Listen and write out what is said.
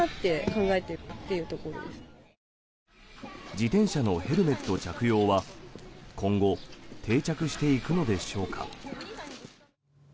自転車のヘルメット着用は今後定着していくのでしょうか。